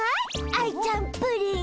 アイちゃんプリン！